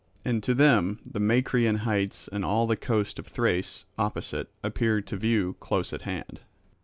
And to them the Macrian heights and all the coast of Thrace opposite appeared to view close at hand.